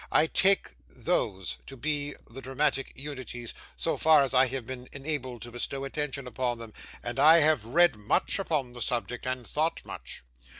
I take those to be the dramatic unities, so far as I have been enabled to bestow attention upon them, and I have read much upon the subject, and thought much.